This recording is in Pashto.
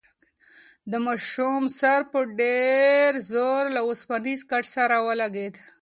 د ماشوم سر په ډېر زور له اوسپنیز کټ سره ولگېد.